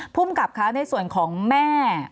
ภูมิกับคะในส่วนของแม่